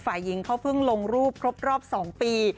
ฝ่ายหญิงเขาเพิ่งลงรูปครบรอบ๒ปี